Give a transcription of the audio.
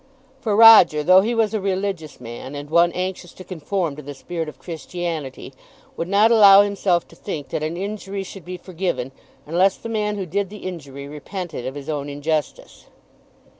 For Roger, though he was a religious man, and one anxious to conform to the spirit of Christianity, would not allow himself to think that an injury should be forgiven unless the man who did the injury repented of his own injustice.